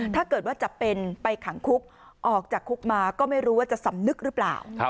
จะเป็นไปขังคุกออกจากคุกมาก็ไม่รู้ว่าจะสำนึกหรือเปล่า